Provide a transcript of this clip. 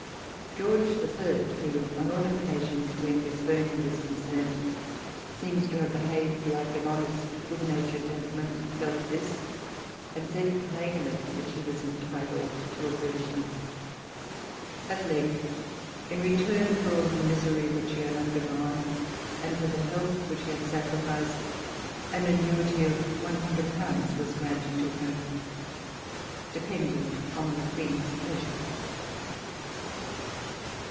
George the Third, who, on all occasions, where Miss Burney was concerned, seems to have behaved like an honest, good natured gentleman, felt this, and said plainly that she was entitled to a provision. At length, in return for all the misery which she had undergone, and for the health which she had sacrificed, an annuity of one hundred pounds was granted to her, dependent on the Queen's pleasure.